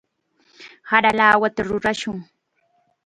Sara lawata rurashun.